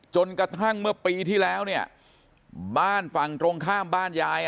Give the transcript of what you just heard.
จนกระทั่งเมื่อปีที่แล้วเนี่ยบ้านฝั่งตรงข้ามบ้านยาย